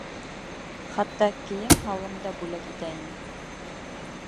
Хатта кейем-һалым да бүләк итә ине.